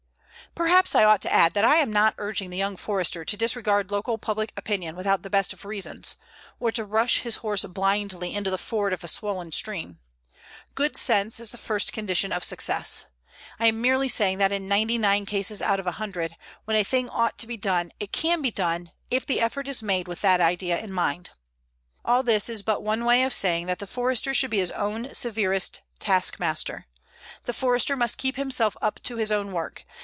Perhaps I ought to add that I am not urging the young Forester to disregard local public opinion without the best of reasons, or to rush his horse blindly into the ford of a swollen stream. Good sense is the first condition of success. I am merely saying that in ninety nine cases out of a hundred, when a thing ought to be done it can be done, if the effort is made with that idea in mind. All this is but one way of saying that the Forester should be his own severest taskmaster. The Forester must keep himself up to his own work.